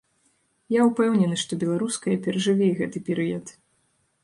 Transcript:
Я ўпэўнены, што беларуская перажыве і гэты перыяд.